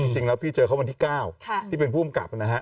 จริงแล้วพี่เจอเขาวันที่๙ที่เป็นผู้อำกับนะฮะ